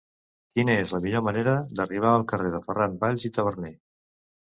Quina és la millor manera d'arribar al carrer de Ferran Valls i Taberner?